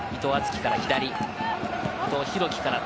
伊藤敦樹から左。